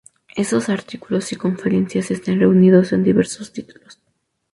Esos artículos y conferencias están reunidos en diversos títulos.